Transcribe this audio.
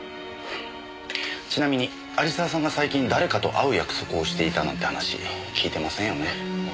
ちなみに有沢さんが最近誰かと会う約束をしていたなんて話聞いてませんよね？